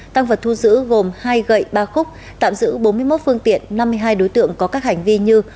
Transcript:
tăng vật thu giữ gồm hai gậy ba khúc tạm giữ bốn mươi một phương tiện năm mươi hai đối tượng có các hành vi như